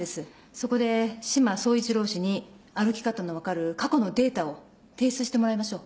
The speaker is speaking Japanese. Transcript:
そこで志摩総一郎氏に歩き方の分かる過去のデータを提出してもらいましょう。